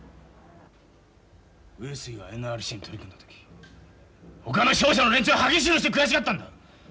上杉がＮＲＣに取り込んだ時ほかの商社の連中は歯ぎしりをして悔しがったんだ！